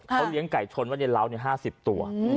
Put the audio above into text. แล้วเขียงไก่ชนวันเดี๋ยวล้าว๕๐ตัว